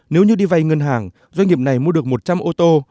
nếu như đi vay ngân hàng doanh nghiệp này mua được một trăm linh ô tô